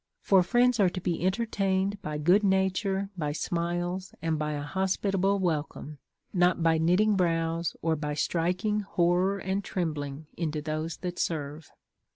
For friends are to be entertained by good nature, by smiles, and by a hospitable welcome; not by knitting brows, or by striking horror and tremblin» into those that serve.